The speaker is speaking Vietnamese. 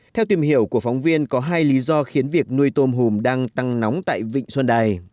theo tìm hiểu của phóng viên có hai lý do khiến việc nuôi tôm hùm đang tăng nóng tại vịnh xuân đài